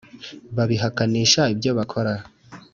Babihakanisha ibyo bakora